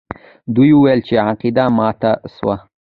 دوی وویل چې عقیده ماته سوه.